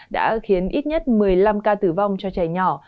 đã khiến ít nhất một mươi năm ca tử vong cho trẻ nhỏ